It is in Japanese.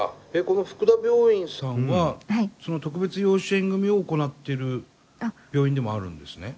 この福田病院さんはその特別養子縁組を行ってる病院でもあるんですね？